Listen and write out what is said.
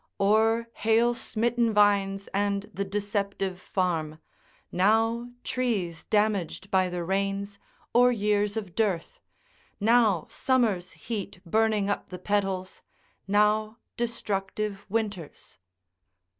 ["Or hail smitten vines and the deceptive farm; now trees damaged by the rains, or years of dearth, now summer's heat burning up the petals, now destructive winters."